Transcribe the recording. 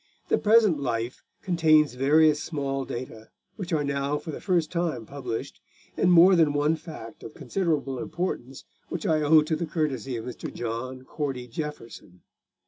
The present Life contains various small data which are now for the first time published, and more than one fact of considerable importance which I owe to the courtesy of Mr. John Cordy Jeaffreson.